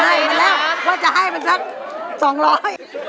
ให้มันแล้วว่าจะให้มันสักสองร้อย